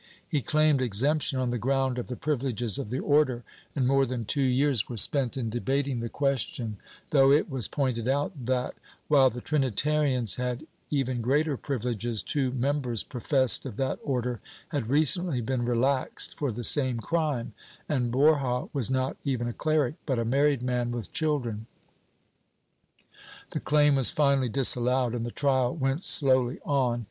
He claimed exemption on the ground of the privileges of the Order, and more than two years were spent in debating the question, though it was pointed out that, while the Trinitarians had even greater privileges, two members professed of that Order had recently been relaxed for the same crime, and Borja was not even a cleric, but a married man with children. The claim was finally disallowed and the trial went slowly on.